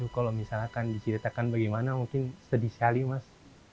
kalau misalkan diceritakan bagaimana mungkin sedih sekali mas